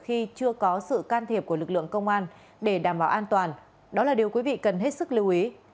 khi chưa có sự can thiệp của lực lượng công an để đảm bảo an toàn đó là điều quý vị cần hết sức lưu ý